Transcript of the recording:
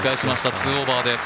２オーバーです。